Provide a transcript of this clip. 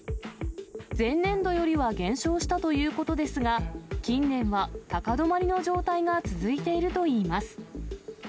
前年度よりは減少したということですが、近年は高止まりの状態が続いているといいます。